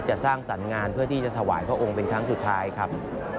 สร้างสรรค์งานเพื่อที่จะถวายพระองค์เป็นครั้งสุดท้ายครับ